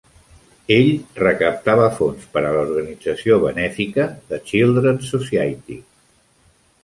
Ell recaptava fons per a l'organització benèfica The Children's Society.